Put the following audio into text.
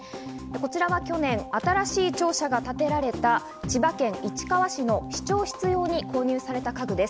こちらは去年、新しい庁舎が建てられた千葉県市川市の市長室用に購入された家具です。